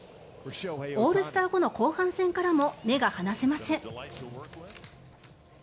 オールスター後の後半戦からも目が離せません。